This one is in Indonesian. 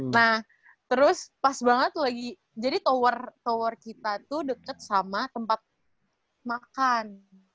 nah terus pas banget lagi jadi tower kita tuh dekat sama tempat makan